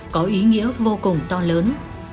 có ý nghĩa vô cùng to lớn